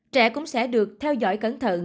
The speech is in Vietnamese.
trẻ cũng sẽ được theo dõi cẩn thận